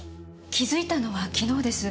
気づいたのは昨日です。